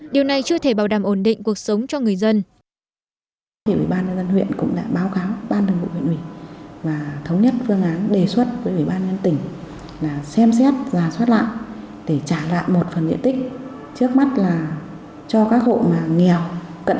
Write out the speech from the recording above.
điều này chưa thể bảo đảm ổn định cuộc sống cho người dân